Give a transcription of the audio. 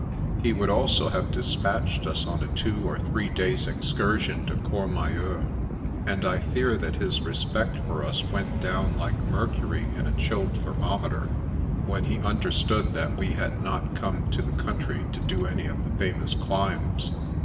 He would also have despatched us on a two or three days* excursion to Courma yeur; and I fear that his respect for us went down like mercury in a chilled thermometer, when he understood that we had not come to the country to do any of the famous climbs.